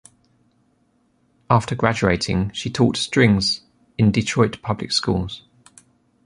After graduating, she taught strings in Detroit public schools.